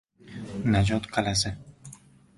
Najot qal’asi